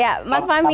ya mas fahmi